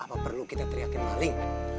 apa perlu kita teriakin maling